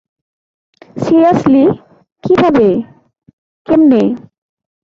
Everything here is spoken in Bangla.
সিরিয়াসলি? কিভাবে? কেমনে?